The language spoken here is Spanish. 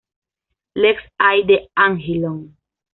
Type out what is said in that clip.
Les Aix-d'Angillon